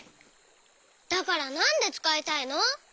だからなんでつかいたいの？